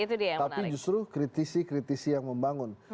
tapi justru kritisi kritisi yang membangun